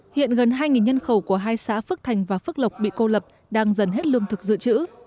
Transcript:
hiện gần hai nhân khẩu của hai xã phước thành và phước lộc bị cô lập đang dần hết lương thực dự trữ